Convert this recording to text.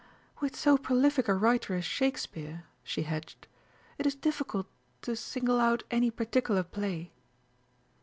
"With so prolific a writer as Shakespeare," she hedged, "it is difficult to single out any particular play."